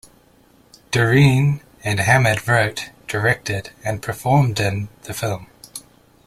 Deren and Hammid wrote, directed and performed in the film.